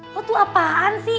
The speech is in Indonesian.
lo tuh apaan sih